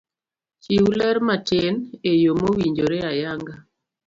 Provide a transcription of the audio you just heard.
Chiw ler matin eyo mawinjore ayanga